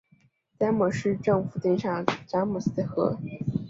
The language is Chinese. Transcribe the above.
詹姆斯镇附近有詹姆斯河。